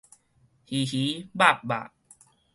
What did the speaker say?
魚魚肉肉